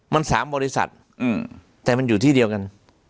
มัน๓บริษัทแต่มันอยู่ที่เดียวกัน